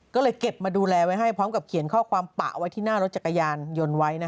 ก็เลยเก็บมาดูแลไว้ให้พร้อมกับเขียนข้อความปะไว้ที่หน้ารถจักรยานยนต์ไว้